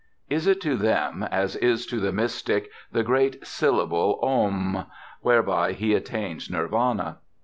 Is it to them as is to the mystic "the great syllable Om" whereby he attains Nirvana?